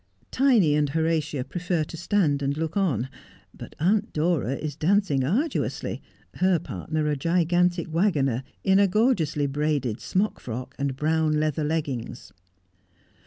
Tiny and Horatia prefer to stand and look on, but Aunt Dora is dancing arduously, her partner a gigantic waggoner in a gorgeously braided smock frock and brown leather leggings.